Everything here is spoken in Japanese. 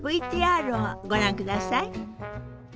ＶＴＲをご覧ください。